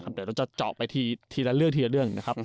เดี๋ยวเราจะเจาะไปทีละเรื่องทีละเรื่องนะครับ